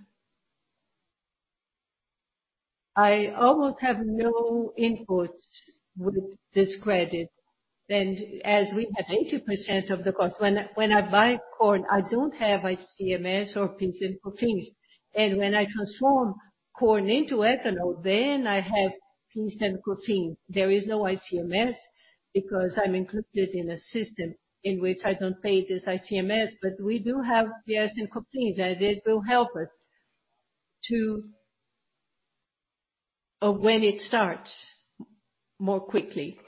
I almost have no input with this credit than as we have 80% of the cost. When I buy corn, I don't have ICMS or PIS and COFINS. When I transform corn into ethanol, I have PIS and COFINS. There is no ICMS because I'm included in a system in which I don't pay this ICMS, but we do have PIS and COFINS, and it will help us to... When it starts more quickly.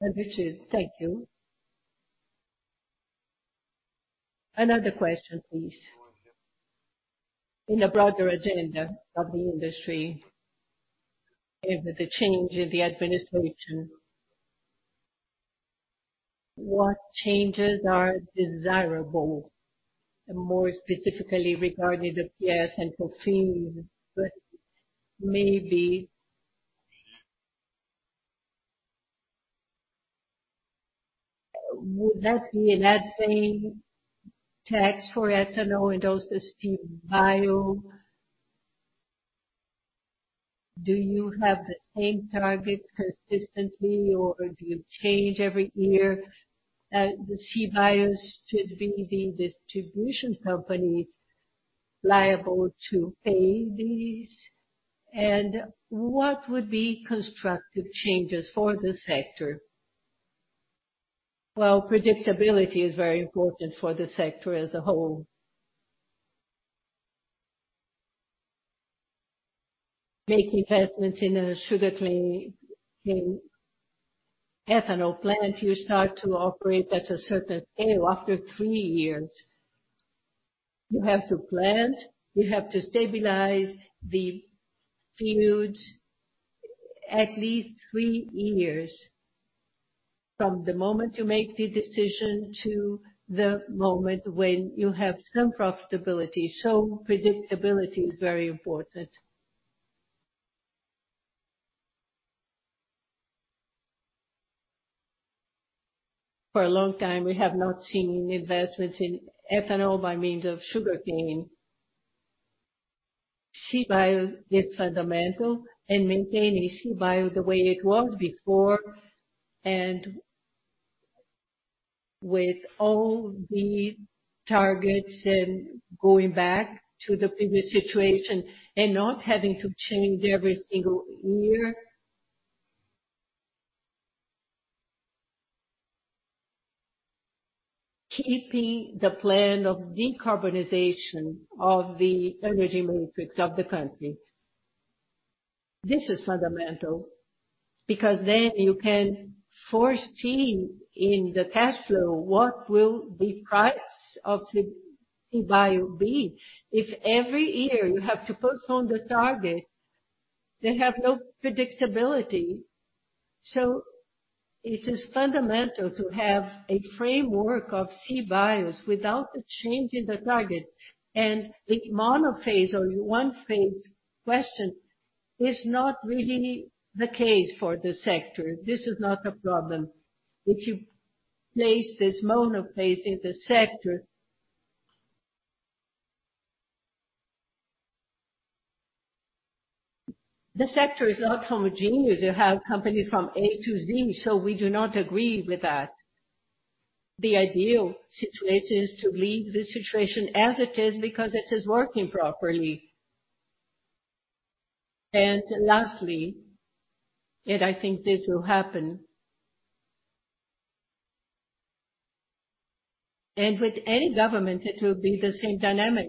Richard, thank you. Another question, please. In the broader agenda of the industry, if the change in the administration, what changes are desirable? More specifically regarding the PIS and COFINS, but maybe... Would that be an admin tax for ethanol and also CBio? Do you have the same targets consistently or do you change every year? The CBio should be the distribution companies liable to pay these. What would be constructive changes for this sector? Well, predictability is very important for the sector as a whole. Make investments in a sugarcane, in ethanol plant, you start to operate at a certain scale after 3 years. You have to plant, you have to stabilize the fields at least 3 years from the moment you make the decision to the moment when you have some profitability. Predictability is very important. For a long time, we have not seen investments in ethanol by means of sugarcane. CBio is fundamental, and maintaining CBio the way it was before, and with all the targets and going back to the previous situation and not having to change every single year. Keeping the plan of decarbonization of the energy matrix of the country. This is fundamental because then you can foresee in the cash flow what will the price of CBio be. If every year you have to postpone the target, they have no predictability. It is fundamental to have a framework of CBios without changing the target. The monophase or monophase question is not really the case for the sector. This is not a problem. If you place this monophase in the sector. The sector is not homogeneous. You have company from A to Z, so we do not agree with that. The ideal situation is to leave the situation as it is because it is working properly. Lastly, and I think this will happen, and with any government, it will be the same dynamic.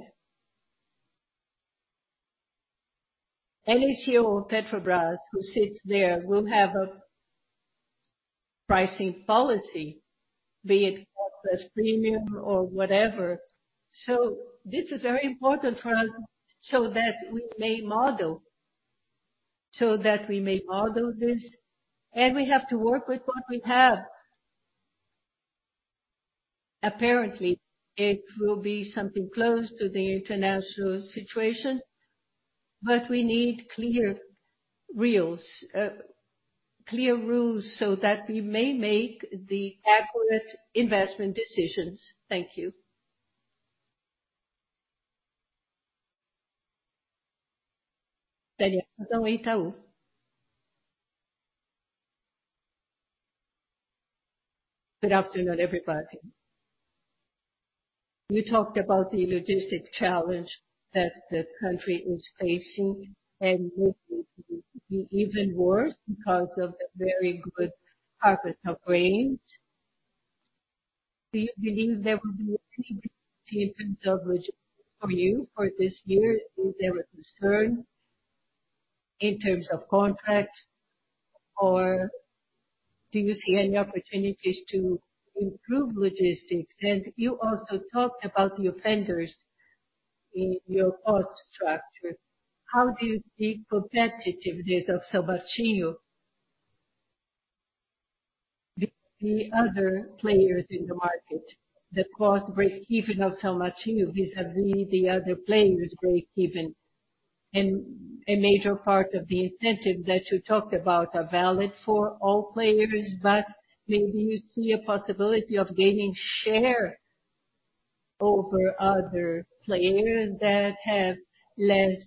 Any CEO of Petrobras who sits there will have a pricing policy, be it cost as premium or whatever. This is very important for us so that we may model this, and we have to work with what we have. Apparently, it will be something close to the international situation, we need clear rules so that we may make the accurate investment decisions. Thank you. Daniel. Good afternoon, everybody. You talked about the logistic challenge that the country is facing and will be even worse because of the very good harvest of rains. Do you believe there will be any different solution for you for this year? Is there a concern in terms of contract, or do you see any opportunities to improve logistics? You also talked about the offenders in your cost structure. How do you see competitiveness of São Martinho with the other players in the market? The cost breakeven of São Martinho vis-a-vis the other players' breakeven. A major part of the incentive that you talked about are valid for all players, but maybe you see a possibility of gaining share over other players that have less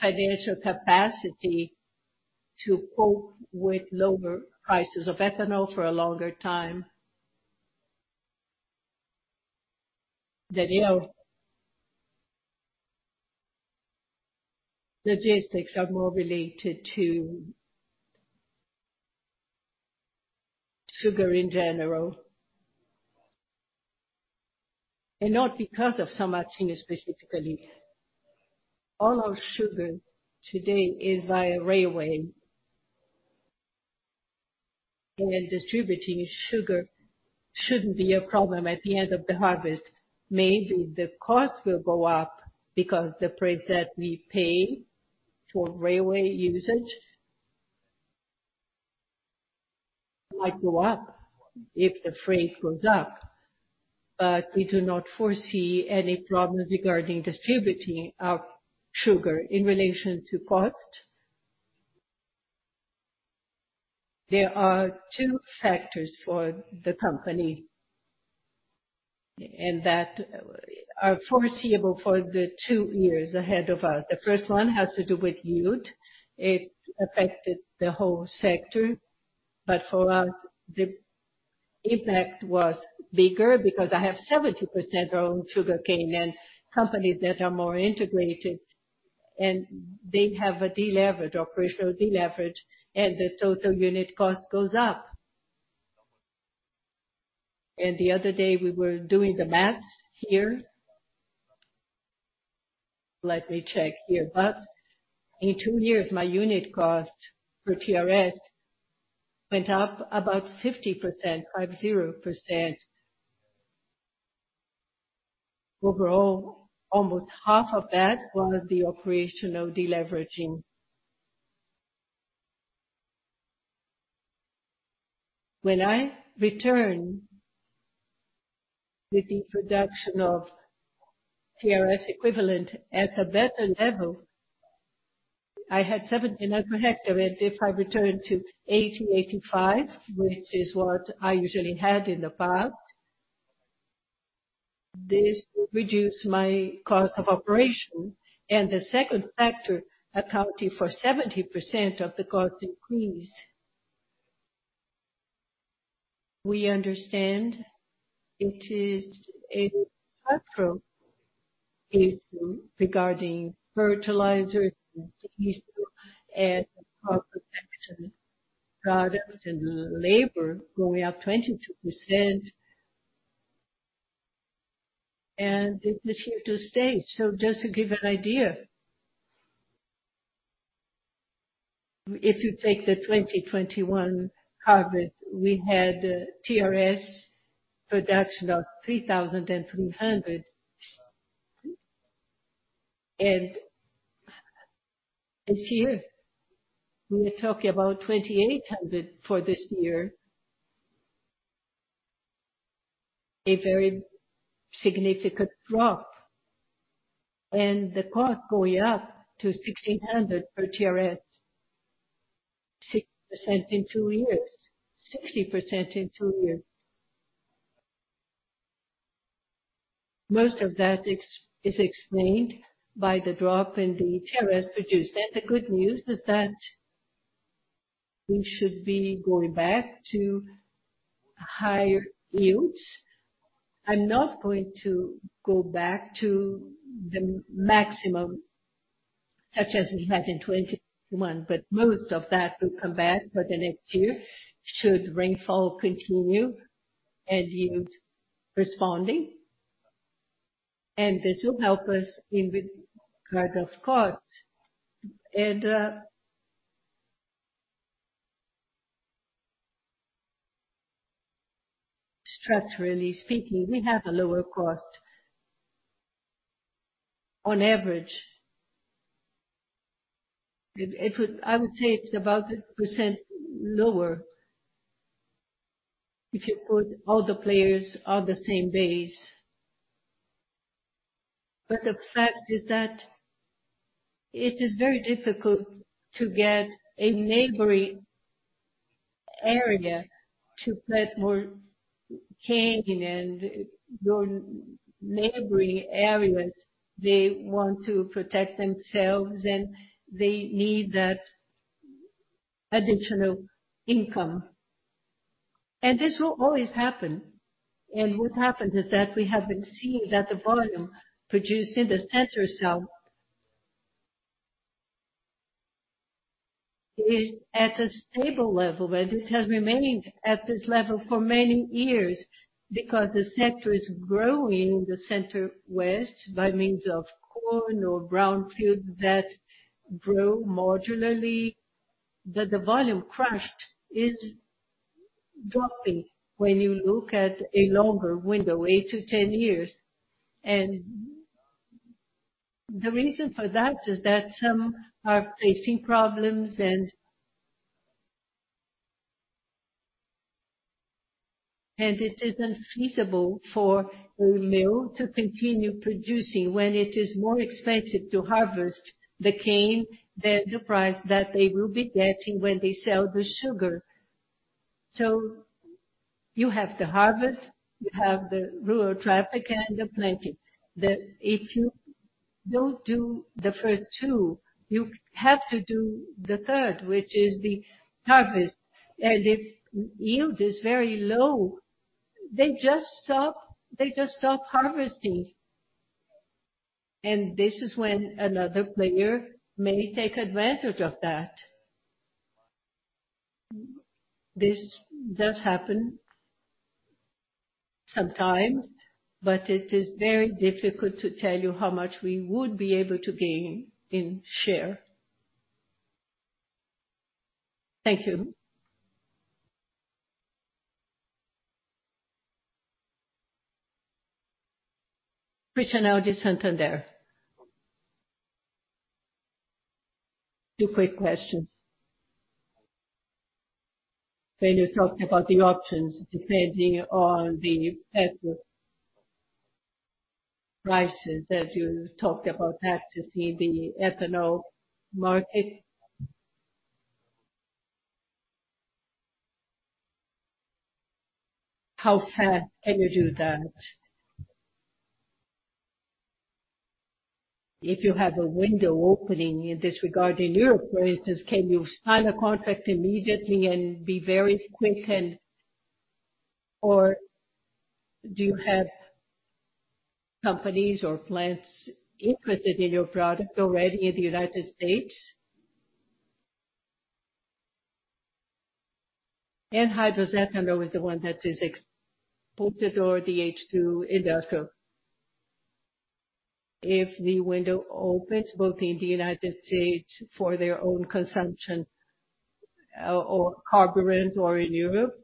financial capacity to cope with lower prices of ethanol for a longer time. Daniel. Logistics are more related to sugar in general, and not because of São Martinho specifically. All our sugar today is via railway. Distributing sugar shouldn't be a problem at the end of the harvest. Maybe the cost will go up because the price that we pay for railway usage might go up if the freight goes up. We do not foresee any problems regarding distributing our sugar in relation to cost. There are two factors for the company that are foreseeable for the two years ahead of us. The first one has to do with yield. It affected the whole sector, but for us, the impact was bigger because I have 70% of our own sugarcane and companies that are more integrated, and they have a deleverage, operational deleverage, and the total unit cost goes up. The other day, we were doing the math here. Let me check here. In two years, my unit cost for TRS went up about 50%, 50%. Overall, almost half of that was the operational deleveraging. When I return with the production of TRS equivalent at a better level, I had 70 ton per hectare, and if I return to 80, 85, which is what I usually had in the past, this will reduce my cost of operation and the second factor accounting for 70% of the cost decrease. We understand it is a structural issue regarding fertilizer and diesel and crop protection products and labor going up 22%. It is here to stay. Just to give an idea, if you take the 2021 harvest, we had TRS production of 3,300. This year, we are talking about 2,800 for this year. A very significant drop. The cost going up to 1,600 per TRS, 60% in two years. 60% in two years. Most of that is explained by the drop in the TRS produced. The good news is that we should be going back to higher yields. I'm not going to go back to the maximum, such as we had in 2021, most of that will come back for the next year should rainfall continue and yields responding. This will help us in regard of costs. Structurally speaking, we have a lower cost on average. It would-- I would say it's about 1% lower if you put all the players on the same base. The fact is that it is very difficult to get a neighboring area to plant more cane and your neighboring areas, they want to protect themselves, and they need that additional income. This will always happen. What happened is that we have been seeing that the volume produced in the Center-South is at a stable level, and it has remained at this level for many years because the sector is growing the Center-West by means of corn or brownfield that grow modularly. The volume crushed is dropping when you look at a longer window, 8 to 10 years. The reason for that is that some are facing problems and it isn't feasible for a mill to continue producing when it is more expensive to harvest the cane than the price that they will be getting when they sell the sugar. You have to harvest, you have the rural traffic and the planting. If you don't do the first two, you have to do the third, which is the harvest. If yield is very low, they just stop harvesting. This is when another player may take advantage of that. This does happen sometimes, but it is very difficult to tell you how much we would be able to gain in share. Thank you. Christiane de Santander. Two quick questions. When you talked about the options, depending on the ethanol prices, as you talked about that to see the ethanol market. How fast can you do that? If you have a window opening in this regard, in Europe, for instance, can you sign a contract immediately and be very quick? Or do you have companies or plants interested in your product already in the United States? Anhydrous ethanol is the one that is exported or the H2 in that group. If the window opens both in the United States for their own consumption, or carburant or in Europe,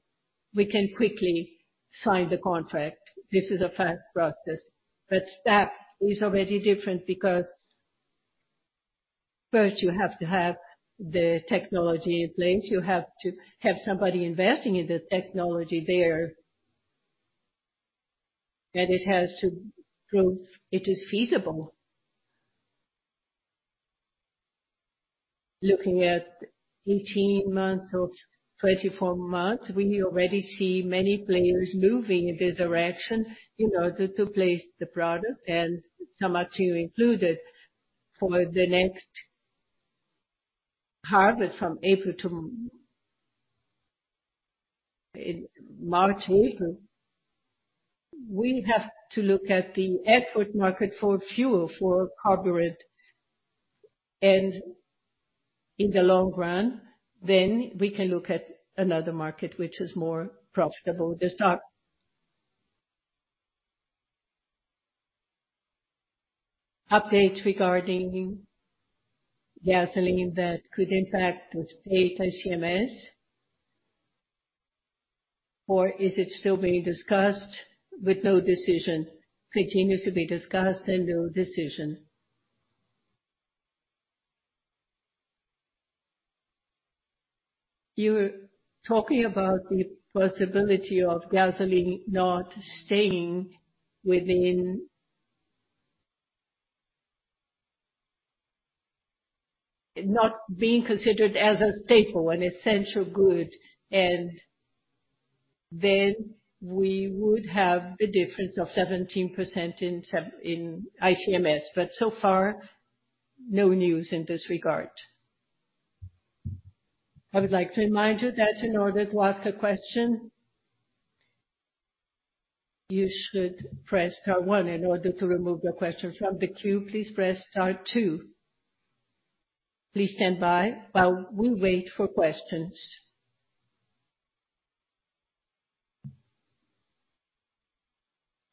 we can quickly sign the contract. This is a fast process. That is already different because first you have to have the technology in place. You have to have somebody investing in the technology there. It has to prove it is feasible. Looking at 18 months or 24 months, we already see many players moving in this direction in order to place the product, and Summa too included for the next harvest from April to in March, April. We have to look at the effort market for fuel, for carburant. In the long run, we can look at another market which is more profitable to start. Update regarding gasoline that could impact the state ICMS, or is it still being discussed with no decision? Continues to be discussed and no decision. You were talking about the possibility of gasoline not staying within, not being considered as a staple, an essential good. We would have the difference of 17% in ICMS. So far, no news in this regard. I would like to remind you that in order to ask a question you should press star one. In order to remove your question from the queue, please press star two. Please stand by while we wait for questions.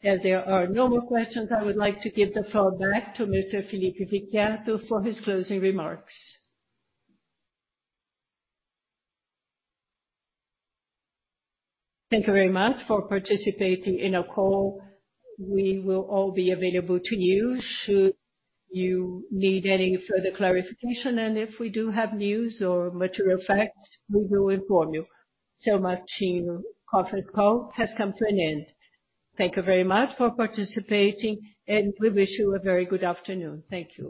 There are no more questions, I would like to give the floor back to Mr. Felipe Vicchiato for his closing remarks. Thank you very much for participating in our call. We will all be available to you should you need any further clarification. If we do have news or material facts, we will inform you. São Martinho conference call has come to an end. Thank you very much for participating, and we wish you a very good afternoon. Thank you.